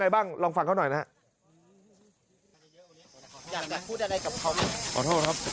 บ้างลองฟังเขาหน่อยนะฮะอยากจะพูดอะไรกับเขา